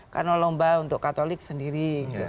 karena lomba untuk katolik sendiri